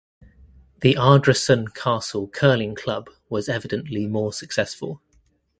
The Ardrossan Castle Curling Club was evidently more successful.